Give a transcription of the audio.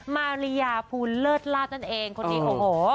มาริยาภูลเลิศลาดนั่นเองคนนี้โอ้โห